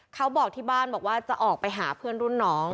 เขาบอกที่บ้านบอกว่าจะออกไปหาเพื่อนรุ่นน้อง